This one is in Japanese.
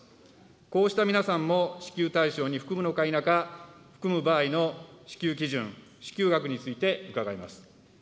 こうした皆さんも支給対象に含むのか否か、含む場合の支給基準、支給額について、伺います。